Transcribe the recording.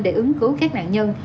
để ứng cứu các nạn nhân